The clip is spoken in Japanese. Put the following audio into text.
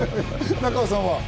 中尾さんは？